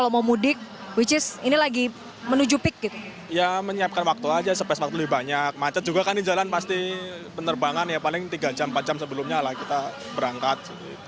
maksudnya waktu aja space waktu lebih banyak macet juga kan di jalan pasti penerbangan ya paling tiga jam empat jam sebelumnya lah kita berangkat